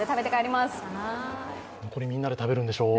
これ、みんなで食べるんでしょう